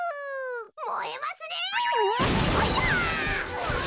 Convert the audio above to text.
もえますねえ！